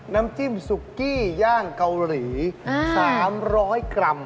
น้ำจิ้มซุกี้ย่างเกาหลี๓๐๐กรัม